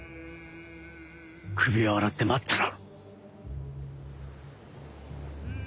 首を洗って待ってろ！